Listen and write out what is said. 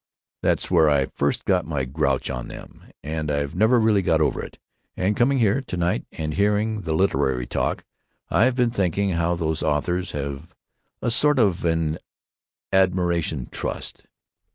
That's where I first got my grouch on them, and I've never really got over it; and coming here to night and hearing the littery talk I've been thinking how these authors have a sort of an admiration trust.